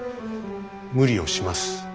無理をします。